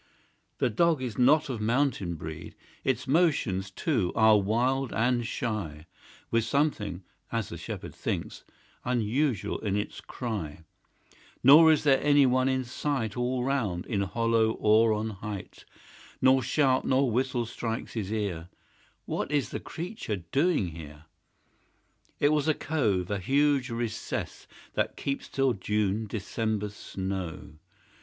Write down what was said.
The Dog is not of mountain breed; Its motions, too, are wild and shy; With something, as the Shepherd thinks, Unusual in its cry: Nor is there any one in sight All round, in hollow or on height; Nor shout, nor whistle strikes his ear; What is the Creature doing here? It was a cove, a huge recess, That keeps, till June, December's snow.